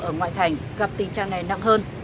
ở ngoại thành gặp tình trạng này nặng hơn